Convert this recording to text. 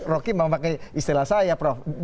roky memakai istilah saya prof